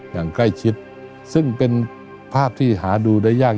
อย่างใกล้ชิดซึ่งเป็นภาพที่หาดูได้ยาก